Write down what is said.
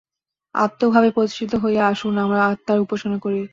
আত্মভাবে প্রতিষ্ঠিত হইয়া আসুন আমরা আত্মার উপাসনা করি।